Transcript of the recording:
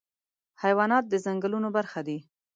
حیوانات د ځنګلونو برخه دي.